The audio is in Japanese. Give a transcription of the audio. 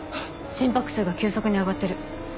心拍数が急速に上がってる。